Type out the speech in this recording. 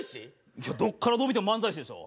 いやどっからどう見ても漫才師でしょ。